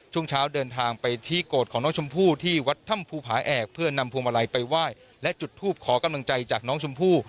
ช่วงเช้าเดินทางไปที่โกรธของน้องชมพู่ที่วัดถ้ำภูผาแอกเพื่อนำพวงมาลัยไปไหว้และจุดทูปขอกำลังใจจากน้องชมพู่